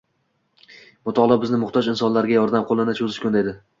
Mutolaa bizni muhtoj insonlarga yordam qo‘lini cho‘zishga undaydi.